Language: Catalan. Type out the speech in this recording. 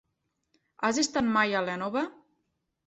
Has estat mai a l'Énova?